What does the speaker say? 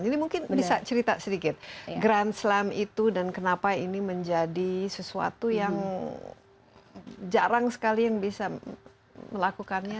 jadi mungkin bisa cerita sedikit grand slam itu dan kenapa ini menjadi sesuatu yang jarang sekali yang bisa melakukannya